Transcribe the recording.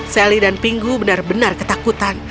sally dan pingu benar benar ketakutan